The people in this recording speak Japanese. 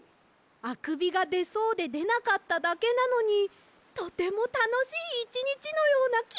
あくびがでそうででなかっただけなのにとてもたのしいいちにちのようなきがしました！